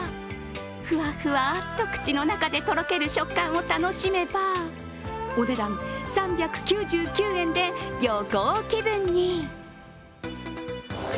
ふわふわっと口の中でとろける食感を楽しめば、お値段３９９円で旅行気分に。